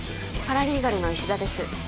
パラリーガルの石田です